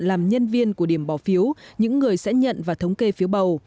làm nhân viên của điểm bỏ phiếu những người sẽ nhận và thống kê phiếu bầu